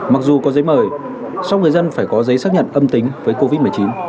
mặc dù có giấy mời song người dân phải có giấy xác nhận âm tính với covid một mươi chín